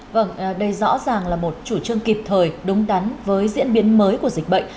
vâng đây rõ ràng là một chủ trương kịp thời đúng đắn với diễn biến mới của dịch bệnh